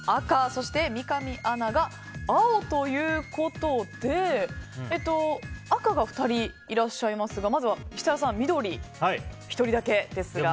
そして三上アナが青ということで赤が２人いらっしゃいますがまずは設楽さん、緑１人だけですが。